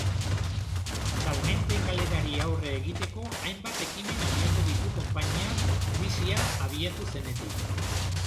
Salmenten galerari aurre egiteko hainbat ekimen abiatu ditu konpainiak, krisia abiatu zenetik.